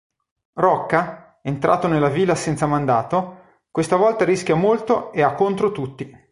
Rocca, entrato nella villa senza mandato, questa volta rischia molto e ha contro tutti.